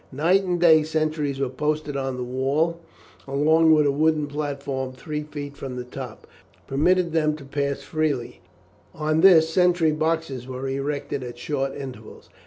Night and day sentries were posted on the wall, along which a wooden platform, three feet from the top, permitted them to pass freely; on this sentry boxes were erected at short intervals.